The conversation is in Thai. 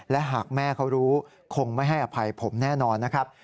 และหากแม่เขารู้คงไม่ให้อภัยผมแน่นอนนะครับ